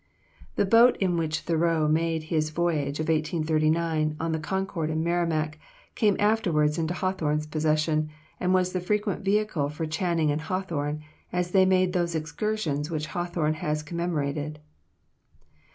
The boat in which Thoreau made his voyage of 1839, on the Concord and Merrimac, came afterwards into Hawthorne's possession, and was the frequent vehicle for Channing and Hawthorne as they made those excursions which Hawthorne has commemorated.